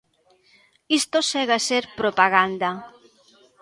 Isto segue a ser propaganda.